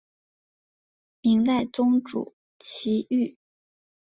明代宗朱祁钰。